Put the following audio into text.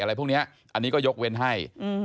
อะไรพวกนี้อันนี้ก็ยกเว้นให้